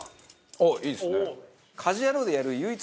あっいいですね。